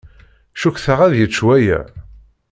Cukkteɣ ad yečč waya.